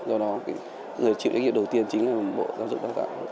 do đó người chịu trách nhiệm đầu tiên chính là bộ giáo dục đào tạo